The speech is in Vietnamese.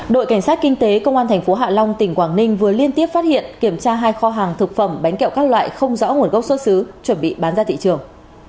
đội cảnh sát kinh tế công an tp hạ long tỉnh quảng ninh vừa liên tiếp phát hiện kiểm tra hai kho hàng thực phẩm bánh kẹo các loại không rõ nguồn gốc xuất xứ chuẩn bị bán ra thị trường